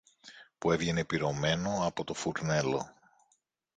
που έβγαινε πυρωμένο από το φουρνέλο.